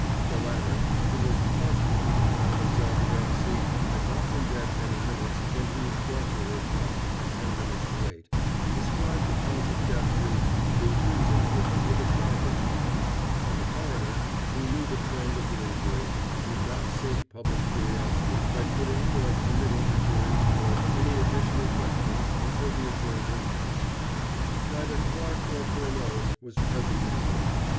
The latter who was positive that Mademoiselle de Bercy had not been dead many minutes when he was brought to her flat at ten minutes to eight ascribed the cause of death to "injuries inflicted with a sharp instrument," and the coroner, who knew the trend of the inquiry, would not sate public curiosity by putting, or permitting the jury to put, any additional questions until the adjourned inquest. Neither Clarke nor Furneaux was present in court.